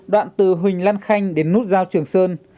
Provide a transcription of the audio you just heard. đoạn từ huỳnh lan khanh đến nút giao trường sơn